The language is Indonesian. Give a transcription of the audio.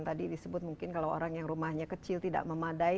tadi disebut mungkin kalau orang yang rumahnya kecil tidak memadai